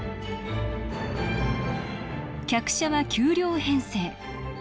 客車は９両編成。